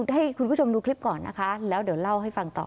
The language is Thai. ให้คุณผู้ชมดูคลิปก่อนนะคะแล้วเดี๋ยวเล่าให้ฟังต่อ